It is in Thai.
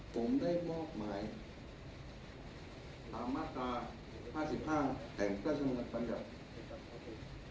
ผมได้มอบหมายตามมาตรา๕๕แห่งกระชั่งมันภัณฑ์